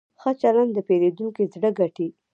ښه چلند د پیرودونکي زړه ګټي.